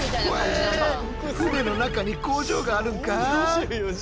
船の中に工場があるんか！？